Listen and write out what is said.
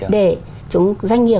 để doanh nghiệp